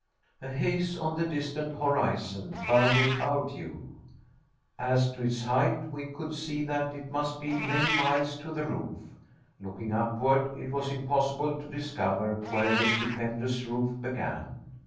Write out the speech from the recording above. A haze on the distant horizon bounded our view. As to its height, we could see that it must be many miles to the roof. Looking upward, it was impossible to discover where the stupendous roof began.